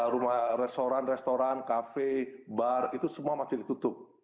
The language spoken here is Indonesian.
rumah restoran restoran kafe bar itu semua masih ditutup